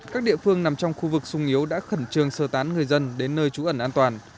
các địa phương nằm trong khu vực sung yếu đã khẩn trương sơ tán người dân đến nơi trú ẩn an toàn